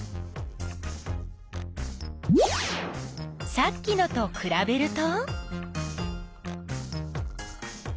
さっきのとくらべると？